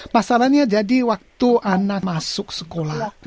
pasalannya jadi waktu anak masuk sekolah